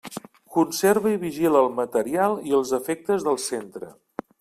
Conserva i vigila el material i els efectes del centre.